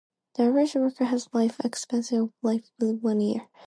The average worker has a life expectancy of over one year.